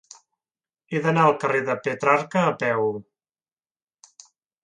He d'anar al carrer de Petrarca a peu.